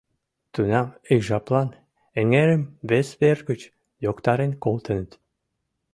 Тунам ик жаплан эҥерым вес вер гыч йоктарен колтеныт.